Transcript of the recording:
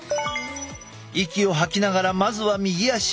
息を吐きながらまずは右足を。